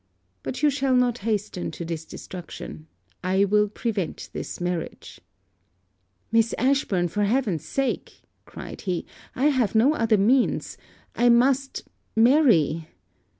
'But you shall not hasten to this destruction. I will prevent this marriage.' 'Miss Ashburn, for heaven's sake!' cried he: 'I have no other means I must marry.'